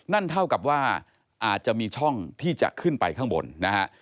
นั่นเท่ากับว่าอาจจะมีช่องที่จะขึ้นไปข้างบนนะฮะ